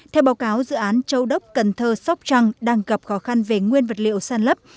theo báo cáo dự án châu đốc cần thơ sóc trăng đang gặp khó khăn về nguyên vật liệu sàn lấp